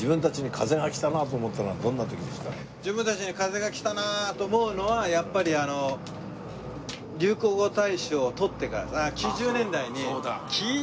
自分たちに風が来たなと思うのはやっぱりあの流行語大賞を取ってから。